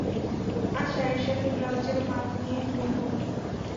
আজ শাড়ির সাথে সাথে ব্লাউজেরও মাপ নিয়ে নিবো।